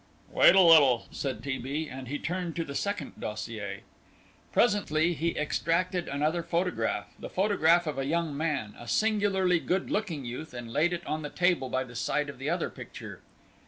"Wait a little," said T. B., and he turned to the second dossier. Presently he extracted another photograph, the photograph of a young man, a singularly good looking youth, and laid it on the table by the side of the other picture.